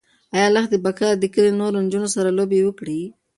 ایا لښتې به کله د کلي له نورو نجونو سره لوبې وکړي؟